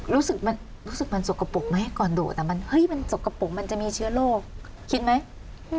รู้สึกมันรู้สึกมันสกปรกไหมก่อนโดดอ่ะมันเฮ้ยมันสกปรกมันจะมีเชื้อโรคคิดไหม